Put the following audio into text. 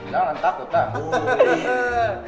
jangan takut ah